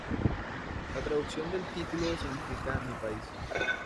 La traducción del título significa "Mi país".